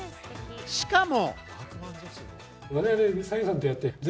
しかも。